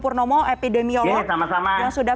purnomo epidemiolog yang sudah